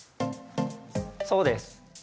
そうです。